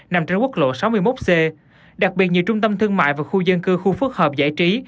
nằm trên quốc lộ sáu mươi một c đặc biệt nhiều trung tâm thương mại và khu dân cư khu phức hợp giải trí